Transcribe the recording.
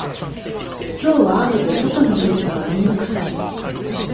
今日は雨で外に出るのが面倒くさい